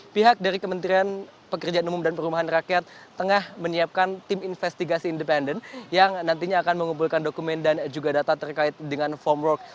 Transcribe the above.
pihak dari kementerian pekerjaan umum dan perumahan rakyat tengah menyiapkan tim investigasi independen yang nantinya akan mengumpulkan dokumen dan juga data terkait dengan formwork